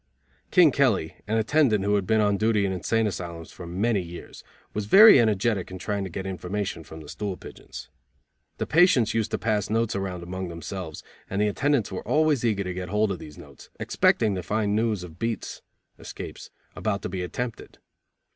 King Kelly, an attendant who had been on duty in insane asylums for many years, was very energetic in trying to get information from the stool pigeons. The patients used to pass notes around among themselves, and the attendants were always eager to get hold of those notes, expecting to find news of beats (escapes) about to be attempted.